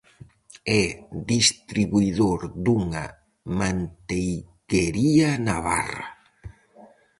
É distribuidor dunha manteiguería navarra.